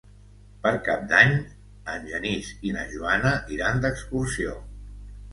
Per Cap d'Any en Genís i na Joana iran d'excursió.